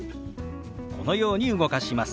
このように動かします。